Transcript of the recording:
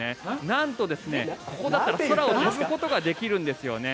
なんと、ここだったら空を飛ぶことができるんですね。